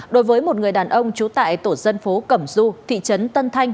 đối với một người đàn ông trú tại tổ dân phố cẩm du thị trấn tân thanh